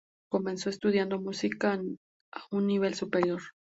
Comenzó estudiando música a un nivel superior.